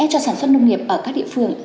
cho sản xuất nông nghiệp ở các địa phương